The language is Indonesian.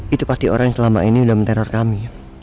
itu pasti orang yang selama ini udah meneror kami